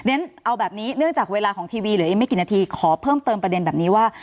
ฉะเอาแบบนี้เนื่องจากเวลาของทีวีเหลืออีกไม่กี่นาทีขอเพิ่มเติมประเด็นแบบนี้ว่า